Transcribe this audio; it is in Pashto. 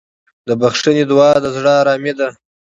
د بښنې دعا د زړه ارامي ده.